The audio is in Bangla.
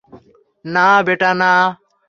না বেটা না!